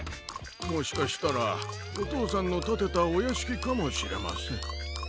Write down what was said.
もしかしたらおとうさんのたてたおやしきかもしれません。